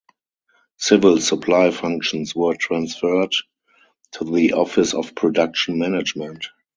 Civil supply functions were transferred to the Office of Production Management.